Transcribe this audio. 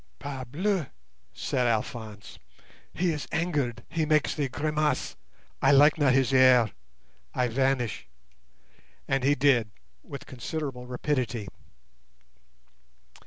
"Parbleu!" said Alphonse, "he is angered—he makes the grimace. I like not his air. I vanish." And he did with considerable rapidity.